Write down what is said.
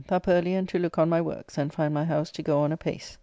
Up early and to look on my works, and find my house to go on apace.